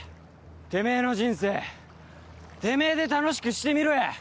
てめえの人生てめえで楽しくしてみろや